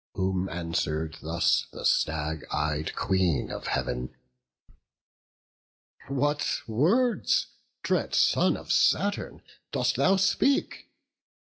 Whom answer'd thus the stag ey'd Queen of Heav'n: "What words, dread son of Saturn, dost thou speak?